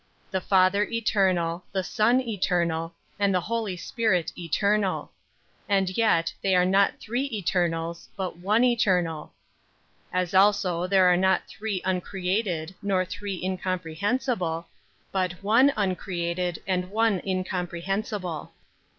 10. The Father eternal, the Son eternal, and the Holy Spirit eternal. 11. And yet they are not three eternals but one eternal. 12. As also there are not three uncreated nor three incomprehensible, but one uncreated and one incomprehensible.